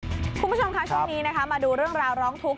คุณผู้ชมค่ะช่วงนี้นะคะมาดูเรื่องราวร้องทุกข